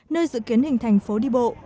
nơi dự kiến hình thành phố đi bộ